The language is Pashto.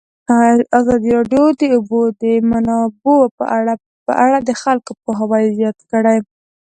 ازادي راډیو د د اوبو منابع په اړه د خلکو پوهاوی زیات کړی.